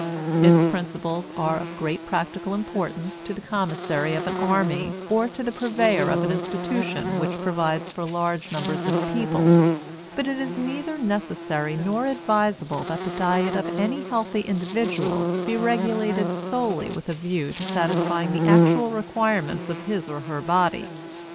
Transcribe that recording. Its principles are of great practical importance to the commissary of an army or to the purveyor of an institution which provides for large numbers of people; but it is neither necessary nor advisable that the diet of any healthy individual be regulated solely with a view to satisfying the actual requirements of his or her body.